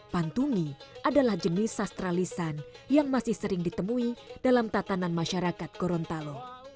pantungi adalah jenis sastralisan yang masih sering ditemui dalam tatanan masyarakat gorontalo